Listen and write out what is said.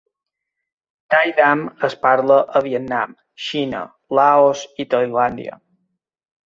Tai Dam es parla a Vietnam, Xina, Laos i Tailàndia.